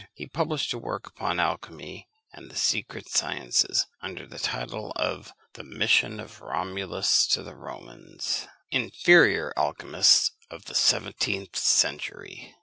he published a work upon alchymy and the secret sciences, under the title of The Mission of Romulus to the Romans. INFERIOR ALCHYMISTS OF THE SEVENTEENTH CENTURY.